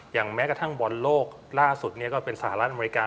แม้กระทั่งบอลโลกล่าสุดนี้ก็เป็นสหรัฐอเมริกา